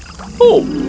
oh aku tahu harus apa